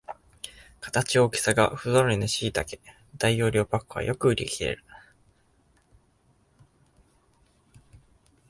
形、大きさがふぞろいのしいたけ大容量パックはよく売りきれる